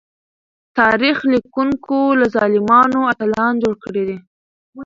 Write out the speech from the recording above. تاريخ ليکونکو له ظالمانو اتلان جوړ کړي دي.